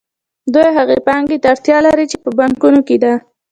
دوی هغې پانګې ته اړتیا لري چې په بانکونو کې ده